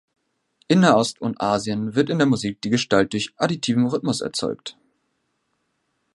In Nahost und Asien wird in der Musik die Gestalt durch additiven Rhythmus erzeugt.